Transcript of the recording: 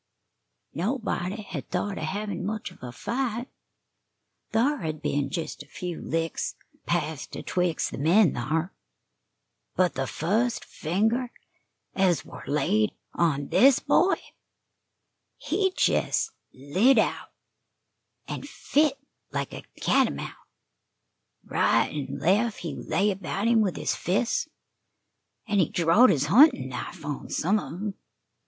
Nobody hed thought of hevin' much of a fight thar hed been jes' a few licks passed atwixt the men thar; but the fust finger ez war laid on this boy, he jes' lit out, an' fit like a catamount. Right an' lef' he lay about him with his fists, an' he drawed his huntin' knife on some of 'em.